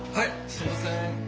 すいません。